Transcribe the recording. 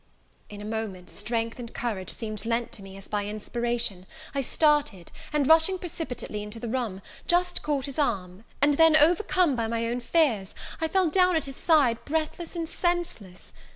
In a moment strength and courage seemed lent to me as by inspiration: I started, and rushing precipitately into the room, just caught his arm, and then, overcome by my own fears, I fell down at his side breathless and senseless.